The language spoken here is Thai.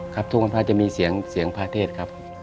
ทุกวันพระจะมีเสียงพระเทศครับ